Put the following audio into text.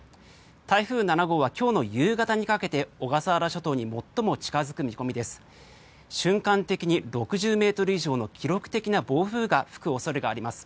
台風７号は今日の夕方にかけて小笠原諸島に最も近付く見込みです。